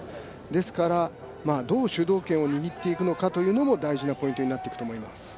ですからどう、主導権を握っていくのかというのも大事なポイントになってくると思います。